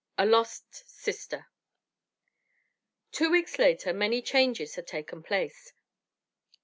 A LOST SISTER Two weeks later many changes had taken place.